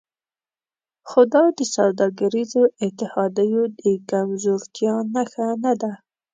خو دا د سوداګریزو اتحادیو د کمزورتیا نښه نه ده